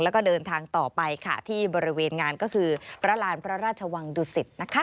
แล้วก็เดินทางต่อไปค่ะที่บริเวณงานก็คือพระราณพระราชวังดุสิตนะคะ